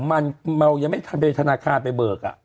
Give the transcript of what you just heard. มันเมายังไม่ทันไปธนาคารไปเบิก